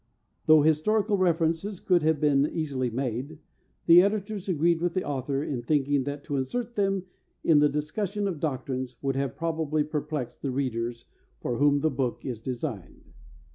Though historical references could have been easily made, the Editors agree with the author in thinking that to insert them in the discussion of doctrines would have probably perplexed the readers for whom the book is designed.